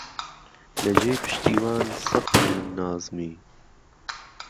لهجێی پشتیوان سەت نیمنازمی